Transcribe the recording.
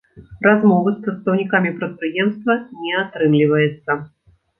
Размовы з прадстаўнікамі прадпрыемства не атрымліваецца.